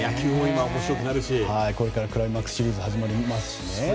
これからクライマックスシリーズも始まりますし。